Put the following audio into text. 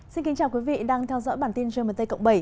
xin kính chào quý vị đang theo dõi bản tin gmt cộng bảy